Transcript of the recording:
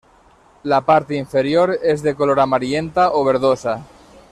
La parte inferior es de color amarillenta o verdosa.